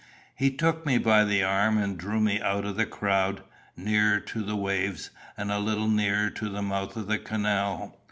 He took me by the arm, and drew me out of the crowd, nearer to the waves, and a little nearer to the mouth of the canal.